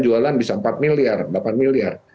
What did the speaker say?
jualan bisa empat miliar delapan miliar